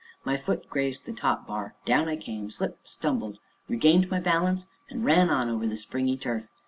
My foot grazed the top bar down I came, slipped, stumbled, regained my balance, and ran on over the springy turf.